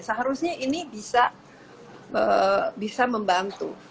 seharusnya ini bisa membantu